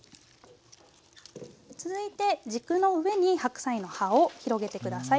続いて軸の上に白菜の葉を広げて下さい。